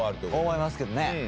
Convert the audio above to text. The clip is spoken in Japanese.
思いますけどね。